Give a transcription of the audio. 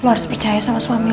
lo harus percaya sama suami lo